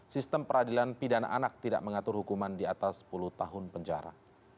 sistem peradilan pidana anak tidak mengatur hukuman di atas sepuluh tahun penjara